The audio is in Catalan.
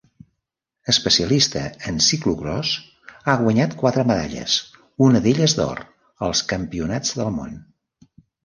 Especialista en ciclocròs, ha guanyat quatre medalles, una d'elles d'or, als Campionats del món.